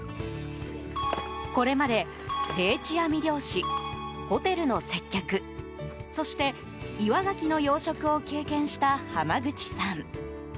これまで、定置網漁師ホテルの接客、そして岩ガキの養殖を経験した浜口さん。